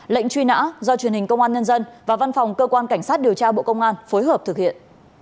lệnh truy nã do truyền hình công an nhân dân và văn phòng cơ quan cảnh sát điều tra bộ công an phối hợp thực hiện